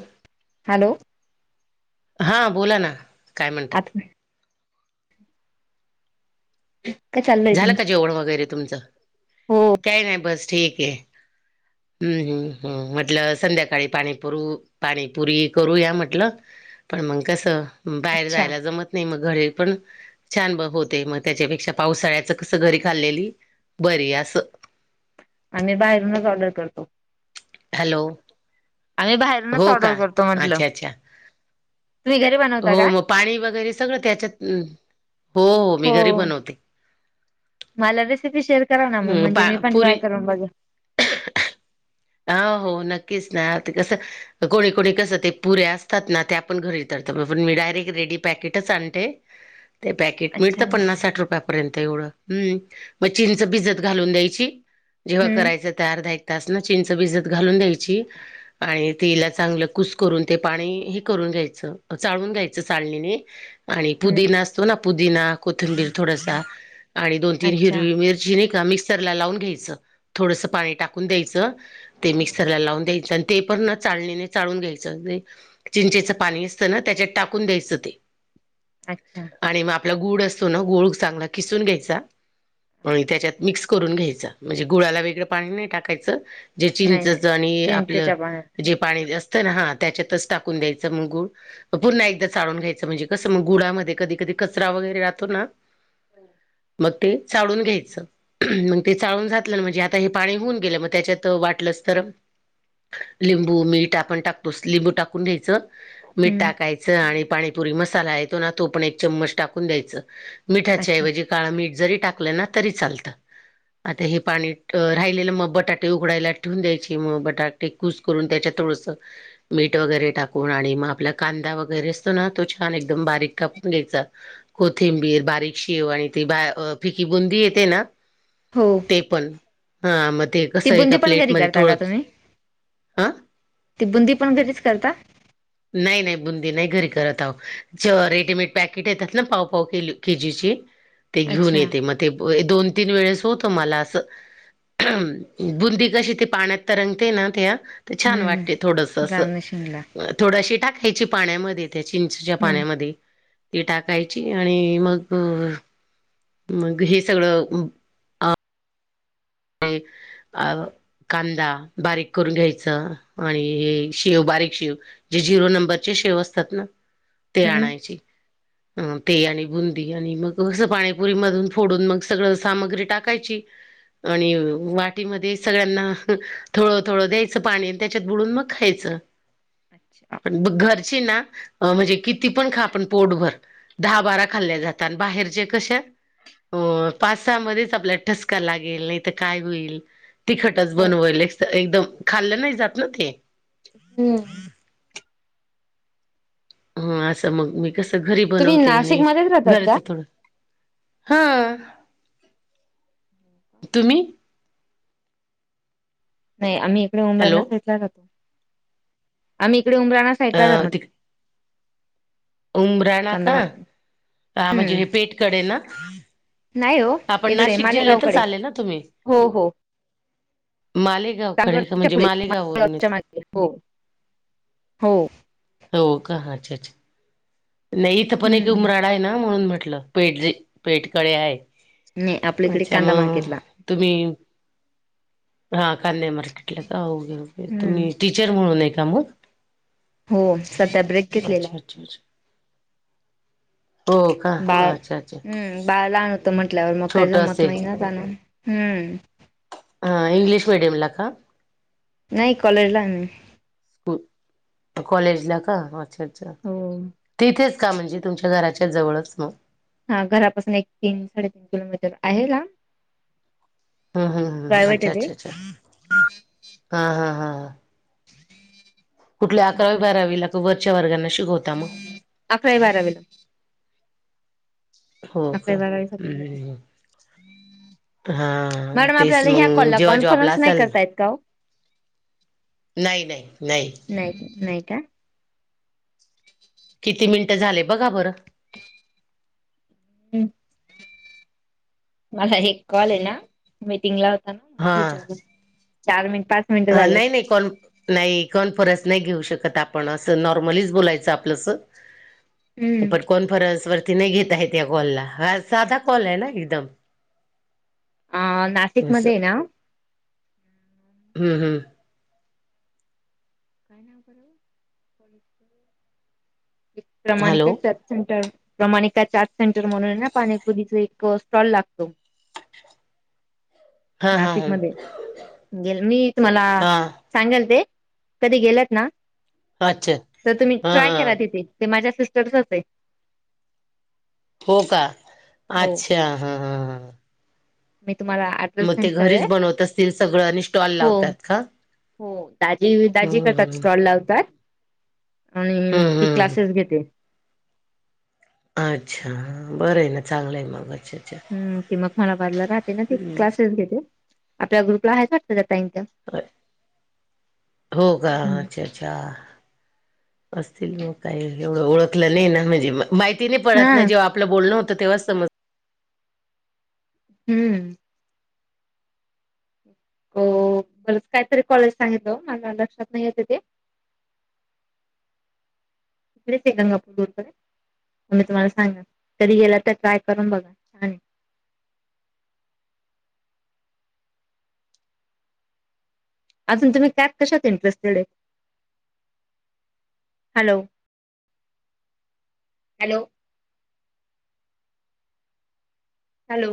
हो [unintelligible] हॅलो. हां बोला ना काय म्हणतात? आता काय चाललंय झालं तुमचं का जेवण वगैरे तुमचं हो काही नाही बस ठीक आहे. [inaudible] हम्म हम्म हम् म्हटलं संध्याकाळी पाणी पुरू पाणीपुरी करू या म्हटलं. पण मंग कसं? बाहेर अच्छा जायला जमत नाही मग घर पण छान होते मग त्याच्यापेक्षा पावसाळ्या कस घरी खाल्लेली बर अस. आम्ही बाहेरूनच ऑर्डर करतो. हॅलो आम्ही बाहेरूनच हो ऑर्डर का करतो अच्छा म्हटलं. अच्छा स्वीग हो मग पाणी वगैरे सगळं त्याच्यात हो हो मी घरी बनवते. मला रेसिपी शेअर करा ना मग हम्म म्हणजे पा मी पण पुरी ट्राय करून बघ ह हो नक्कीच ना आ ते कसं कोणी कोणी कसं ते पुऱ्या असतात ना ते आपण घरीतरत पण मी डायरेक्ट रेडी पॅकेटच आणते. ते पॅक अच्छा पन्ना साठ रुपपर्य एवढ मग चीनच भिजत घालून द्यायची. जेव्हा हम्म करायचं त्या अर्धा एक तास ना चिंच भिजत घालून द्यायची. आणि तेला चांगलं कुस करून ते पाणी हे करून घ्यायचं चाळून घ्यायचं चाळणीने आणि हम्म पुदिना असतो ना पुदिना कोथंबीर थोडासा आणि दोन तीन अच्छा हिरवी मिर नाही का मिक्सर लावून घ्यायचं थोडस पाणी टाकून द्यायचं. ते मिक्सरला लावून द्यायचं आणि ते पण ना चालणीने चाळून घ्यायचं. चिंचेचं पाणी असत ना त्याच्यात टाकून द्यायचं ते अच्छा आणि मग आपला गुड असतो ना गोळ चांगला किसून घ्यायचा म्ह त्याच्यात मिक्स करून घ्यायचं म्हणजे गुळाला वेगळं पाणी नाही टाकायचं. जे नाही नाही चिंचच आणि आपलं चिंचेच्या पाण्यात जे पाणी असतं ना हा त्याच्यातच टाकून द्यायचं मग गुळ पुन्हा एकदा चाळून घ्यायचं म्हणजे कसं मग गुळामध्ये कधी कधी कचरा वगैरे राहतो ना. हम्म मग ते चाळून घ्यायचं मग ते चाळून जातलं ना म्हणजे आता हे पाणी होऊन गेलं मग त्याच्यात. तर वाटलंस तर लिंबू मीठ आपण टाकतोच लिंबू टाकून घ्यायचं. मीठ हम्म टाकायचं आणि पाणीपुरी मसाला येतो ना तो पण एक चम्मच टाकून द्यायच. मिीठा च अच्छा म्हजी. काीठ जरी टाकलं ना तरी चालत आता हे पाणी राहिलं मग बटाट ते उकडायला ठेवून द्यायचे मग बटाटे कूस करून त्याच्यात थोडसं मीठ वगैरे टाकून आणि मग आपला कांदा वगैरे असतो ना तो छान एकदम बारीक कापून घ्यायचा. कोथिंबीर बारीक शेव आणि ती फिकी बुंदी येते ना. हो. ते पण हा मग ते ती कसं एका बुंदी पण घरी प्लेटमध्ये करता थोडं का तुम्ही हा ती बुंदी पण घरीच करता. नाही नाही बुंदी नाही घरी करत आहो ज रेडीमेड पॅकेट येतात ना पावपाव के केजीची ते घेऊन अच्छा येते मग ते दोन तीन वेळेस होत मला असं. बुंदी कशी ती पाण्यात तरंगते ना ते तर छान हम्म वाटते थोडस असं. [inaudible] थोडशी टाकायची पाण्यामध्ये त्या चिंचच्या हम्म पाण्यामध्ये ती टाकायची आणि मग. मग हे सगळं. ते अ. कांदा बारीक करून घ्यायच आणि हे शेव बारीक शेव. जे झिरो नंबरचे शेव असतात ना ते हम्म आणायची. अ ते आणि बुंदी आणि मग अस पाणीपुरी मधून फोडून मग सगळं सामग्री टाकायची. आणि वाटीमध्ये सगळ्यांना थोडं थोडं द्यायचं पाणी आणि त्याच्यात बुडून मग खायचं. अच्छा! घरची ना म्हणजे किती पण खा आपण पोटभर. दहा बारा खाल्ल्या जातात बाहेरचे कश्या हो पासामध्येच आपल्याला ठसका लागेल नाही तरर काय होईल. तिखटच हो बनवाईल एकदम खाल्लं नाही जात ना ते. हम्म हा असं मग मी कस घरी तुम्ही बनवते आणि नाशिकमध्येच राहतात का घराच थोडं. हा तुम्ही. नाही आम्ही इकडे उमराना हॅलो साहितला राहतो आम्ही इकडे उमराांना अ साईितला राह म्हट. तिक- उमराणा कांदा मार्केट का म्हणजे हे हम्म पेठकडे ना. नाही हो आपण इकडे नाशिक जिल्ह्यातच मालेगावकडे आले ना तुम्ही हो हो माले. ावकडे चांदवडच्या म्हणजे पुढे मालेगाव वून य. च्या मागे हो हो हो का अच्छ अ्छा! नाही इथं पण एक हम्म उमराडा आहे ना म्हणून म्हटलं पेठ ज पेठकळे आहे. नाही आपल्या इकडे अच्छा कांदा मग मार्केटला. तुम्ही. हा कन [unintelligible] मार्केटला का होघे हम्म तुम्ही टीचर म्हणून आहे का मग. हो सध्या ब्रेक घेतलेलाय. अच्ाचा [inaudible] का? बाळ अच्छा अच्छा हम् बाळ लहान होत म्हंटल्यावर मग काय छोट जमत असेल. नाही ना हम्म ह इंग्लिश मीडियम ला का? नाही कॉलेजला्ही. कॉलेजला का अच्छा अच्छा हो तिथेच का म्हणजे. तुमच्या घराच्या जवळच मग. हा घरापासून एक तीन साडेतीन किलोमीटर आहे ना. हम् हम् हम्् प्रायव्हेट अच्छा आहे ते अच्छा अच्छा हा हा हा ह कुठल्या अकरावी बारावी लाग वरच्या वर्गाना. अकरा बारावीला. हो का अकरावी बारावीसाठी घेते हम् हा मॅडम तेच आपल्याला ह्या मंग कॉलला जेव्हा जेव्हा कॉन्फरन्स नाही असल करता येत का ओ? नाही नाही नाही. नाही नाही काय. किती मिनटं झाले बघा बरं. हम् मला एक कॉल आहे ना मीटिंगला होता नाण विचार चार मिनट पाच अ मिनिटं झाले. नाही नाही कोण [unintelligible] नाही कॉन्फरस नाही घेऊ शकत आपण असं नॉर्मलीच बोलायचं आपलंस. पण कॉन्फरन्स वरती नाही घेत आहेत या कॉलला साधा कॉल आहे ना एकदम. अ अस नाशिकमध्ये हाय ना. हम्म हम्म. काय नाय करत. प्रमाण आहे हॅलो काय त्यात. प्रमाणिका चाट सेंटर म्हणून आहे ना पाणीपुरीच एक स्टॉल लागतो. हा हा नाशिक ह मध्ये गेल मी तुम्हाला. हा सांगल ते कधी गेलत ना अच्छा तर तुम्ही हा ट्राय हा करा तेथे. ते माझ्या सिस्टरचच हाय. हो का हो अच्छा हा हा हा. मी तुम्हाला आठ ''--'' मग ते घरीच बनवत असतील सगळं आणि स्टॉल हो लावतात का. हो दाजी- दाजी हम्म करतात हम्म. स्टॉल लावतात. आणि हम्म ती हम्म. क्लासेस घेते. अच्छा बरं आहे ना चांगलं आहे मग अच्छा. अच्छा. हम् ते मग मला बारला राहते ना ते क्लासेस घेते आपल्या ग्रुपला आहे वाटतं त्या ताईच्या. आता काय हो का हम्म अच्छा. अच्छा असतील मग काही एवढं ओळखलं नाही ना म्हजे माहित. तिने हा पडत नाही जेव्हा आपलं बोलणं होतं तेव्हा समजत. हम्म. अ बर काहीतरी कॉलेज सागितलं मला लक्षात नाहीय तिथे ते. [inaudible] तिकडे ते गंगापूर दूर मी तुम्हाला सांगा कधी गेला तर ट्राय करून बघा. छान आहे. अजून तुम्ही कॅक कशात इंटरेस्टेड आहे हॅलो. हॅलो. हॅलो.